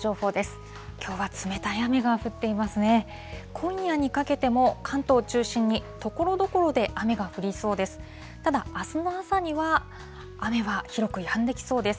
今夜にかけても、関東を中心にところどころで雨が降りそうです。